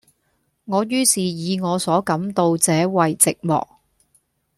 我于是以我所感到者爲寂寞。